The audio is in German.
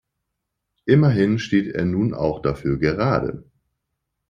Immerhin steht er nun auch dafür gerade.